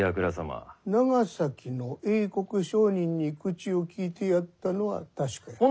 長崎の英国商人に口をきいてやったのは確かや。